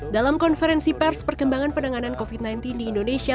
dalam konferensi pers perkembangan penanganan covid sembilan belas di indonesia